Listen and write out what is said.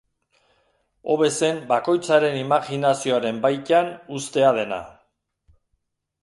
Hobe zen bakoitzaren imajinazioaren baitan uztea dena.